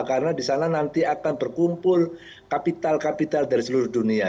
karena di sana nanti akan berkumpul kapital kapital dari seluruh dunia